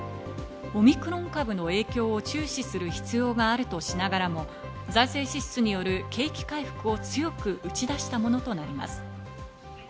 オミクロン株の影響を注視する必要があるとしながらも、財政支出による景気回復を強く打ち出したものとなります。